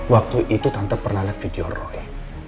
waktu itu tante pernah lihat video rock